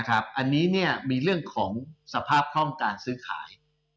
อันนี้มีเรื่องของสภาพคล่องการซื้อขาย